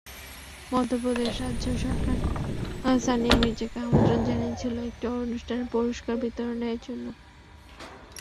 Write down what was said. মধ্যপ্রদেশ রাজ্য সরকার সানিয়া মির্জাকে আমন্ত্রণ জানিয়েছিল একটি অনুষ্ঠানে পুরস্কার বিতরণের জন্য।